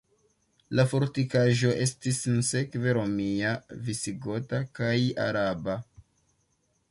La fortikaĵo estis sinsekve romia, visigota kaj araba.